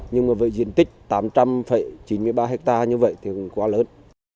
nhưng mà với diện tích tám trăm linh chín mươi ba hectare như vậy thì quá lớn